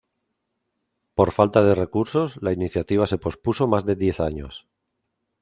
Por falta de recursos, la iniciativa se pospuso más de diez años.